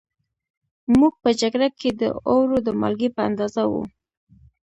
موږ په جگړه کې د اوړو د مالگې په اندازه وو